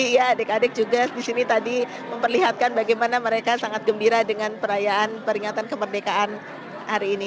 ya adik adik juga disini tadi memperlihatkan bagaimana mereka sangat gembira dengan perayaan peringatan kemerdekaan hari ini